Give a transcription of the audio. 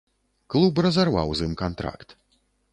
Клуб разарваў з ім кантракт.